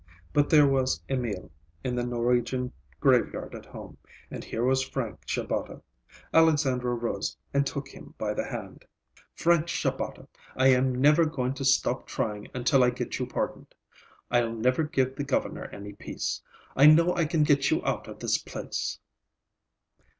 But there was Emil, in the Norwegian graveyard at home, and here was Frank Shabata. Alexandra rose and took him by the hand. "Frank Shabata, I am never going to stop trying until I get you pardoned. I'll never give the Governor any peace. I know I can get you out of this place."